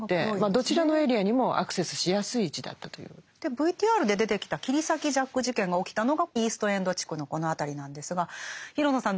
ＶＴＲで出てきた切り裂きジャック事件が起きたのがイースト・エンド地区のこの辺りなんですが廣野さん